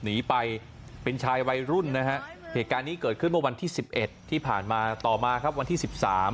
หนีไปเป็นชายวัยรุ่นนะฮะเหตุการณ์นี้เกิดขึ้นวันที่๑๑ที่ผ่านมาต่อมาครับวันที่